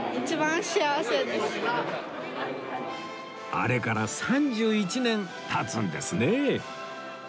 あれから３１年経つんですねえ